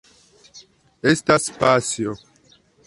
Estas pasio.